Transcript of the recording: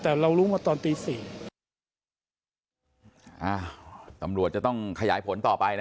แต่เรารู้มาตอนตีสี่อ่าตำรวจจะต้องขยายผลต่อไปนะ